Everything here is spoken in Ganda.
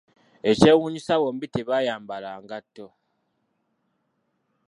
Ekyewuunyisa, bombi tebayambala ngatto.